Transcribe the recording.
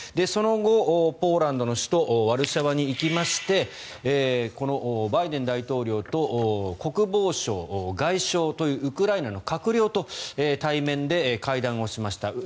その後、ポーランドの首都ワルシャワに行きましてバイデン大統領と国防相、外相というウクライナの閣僚と対面で会談しました。